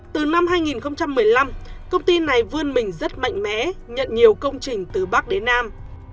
từ năm hai nghìn một mươi năm công ty này vươn mình rất mạnh mẽ nhận nhiều công trình từ bắc đến nam